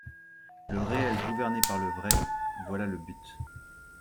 Le réel gouverné par le vrai, voilà le but.